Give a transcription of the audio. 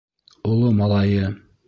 Оло малайы...